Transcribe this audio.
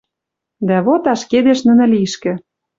Дӓ вот ашкедеш нӹнӹ лишкӹ